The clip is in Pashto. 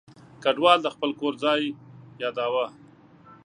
کډوال د خپل کور ځای یاداوه.